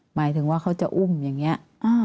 หมายถึงว่าเขาจะอุ้มอย่างนี้